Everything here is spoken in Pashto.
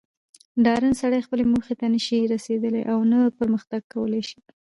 ډارن سړئ خپلي موخي ته نه سي رسېدلاي اونه پرمخ تګ کولاي سي